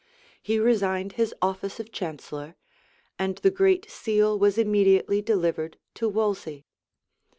He resigned his office of chancellor; and the great seal was immediately delivered to Wolsey.